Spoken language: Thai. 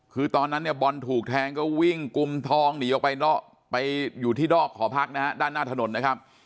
คือตอนนั้นเนี่ยบอลถูกแทงก็วิ่งกุมทองหนีออกไปไปอยู่ที่นอกหอพักนะฮะด้านหน้าถนนนะครับ